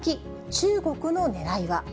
中国のねらいは。